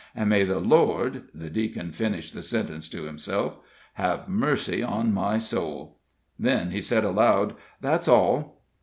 And may the Lord" the Deacon finished the sentence to himself "have mercy on my soul." Then he said, aloud: "That's all."